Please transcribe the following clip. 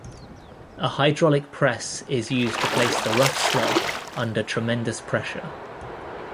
A hydraulic press is used to place the rough slug under tremendous pressure.